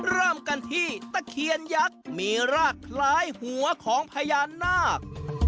เริ่มกันที่ตะเคียนยักษ์มีรากคล้ายหัวของพญานาค